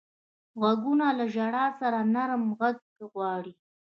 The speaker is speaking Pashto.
غوږونه له ژړا سره نرمه غږ غواړي